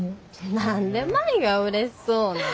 何で舞がうれしそうなん。